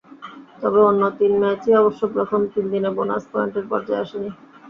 তবে অন্য তিন ম্যাচই অবশ্য প্রথম তিন দিনে বোনাস পয়েন্টের পর্যায়ে আসেনি।